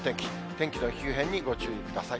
天気の急変にご注意ください。